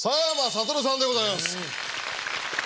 佐山聡さんでございます。